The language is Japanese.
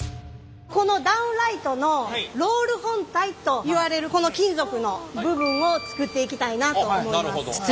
このダウンライトのロール本体といわれるこの金属の部分を作っていきたいなと思います。